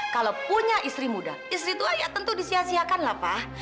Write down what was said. kalau punya istri muda istri itu aja tentu disiasiakanlah pak